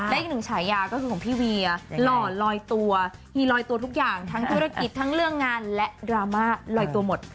และอีกหนึ่งฉายาก็คือของพี่เวียหล่อลอยตัวฮีลอยตัวทุกอย่างทั้งธุรกิจทั้งเรื่องงานและดราม่าลอยตัวหมด